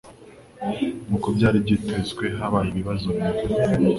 Nkuko byari byitezwe, habaye ibibazo bimwe.